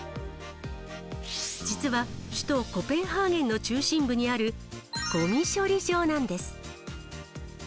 実は、首都コペンハーゲンの中心部にあるごみ処理場なんです。